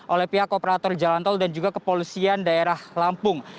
oleh pihak operator jalan tol dan juga kepolisian daerah lampung